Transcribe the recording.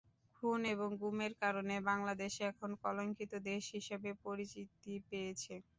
খুন এবং গুমের কারণে বাংলাদেশ এখন কলঙ্কিত দেশ হিসেবে পরিচিতি পেয়েছে।